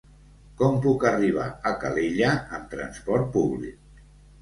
Com puc arribar a Calella amb trasport públic?